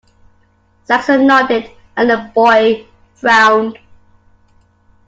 Saxon nodded, and the boy frowned.